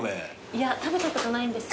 いや食べたことないんです。